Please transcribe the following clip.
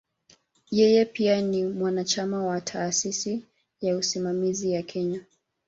Yeye pia ni mwanachama wa "Taasisi ya Usimamizi ya Kenya".